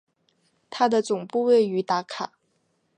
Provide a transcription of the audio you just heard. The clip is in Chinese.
它的总部位于达卡。